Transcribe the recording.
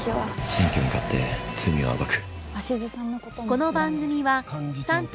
選挙に勝って罪を暴く。